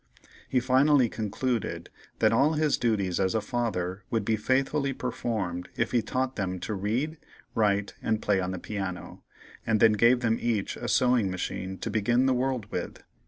He finally concluded that all his duties as a father would be faithfully performed if he taught them to read, write, and play on the piano, and then gave them each a sewing machine to begin the world with.